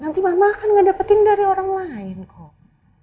nanti mama akan ngedapetin dari orang lain kok